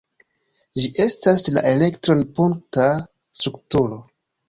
Ĝi estas la elektron-punkta strukturo.